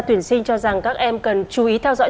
tuyển sinh cho rằng các em cần chú ý theo dõi